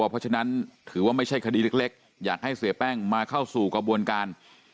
เพราะฉะนั้นถือว่าไม่ใช่คดีเล็กอยากให้เสียแป้งมาเข้าสู่กระบวนการ